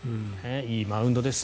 いいマウンドです。